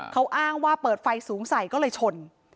เขาอ้างว่าเปิดไฟสูงใสก็เลยชน